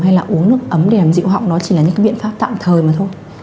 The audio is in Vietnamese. hay là uống nước ấm để làm dịu họng nó chỉ là những cái biện pháp tạm thời mà thôi